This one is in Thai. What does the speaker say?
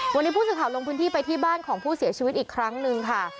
วันนี้ผู้สื่อข่าวลงพื้นที่ไปที่บ้านของผู้เสียชีวิตอีกครั้งหนึ่งค่ะ